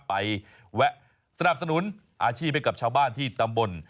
แวะสนับสนุนอาชีพให้กับชาวบ้านที่ตำบล